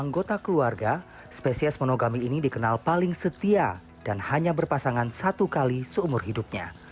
anggota keluarga spesies monogami ini dikenal paling setia dan hanya berpasangan satu kali seumur hidupnya